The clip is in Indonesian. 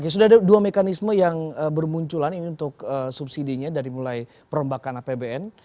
sudah ada dua mekanisme yang bermunculan ini untuk subsidi nya dari mulai perombakan apbn